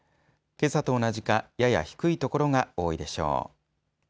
けさと同じかやや低い所が多いでしょう。